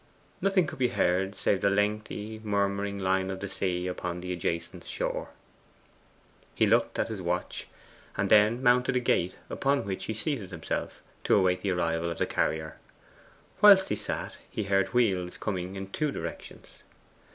Nothing could be heard save the lengthy, murmuring line of the sea upon the adjacent shore. He looked at his watch, and then mounted a gate upon which he seated himself, to await the arrival of the carrier. Whilst he sat he heard wheels coming in two directions.